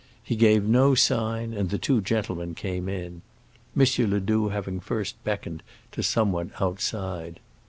He gave no sign and the two gentlemen came in, M. Ledoux having first beckoned to someone outside.